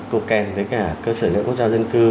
cột kèm với cả cơ sở dữ liệu quốc gia và dân cư